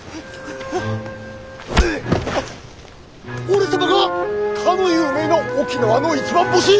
俺様がかの有名な沖縄の一番星。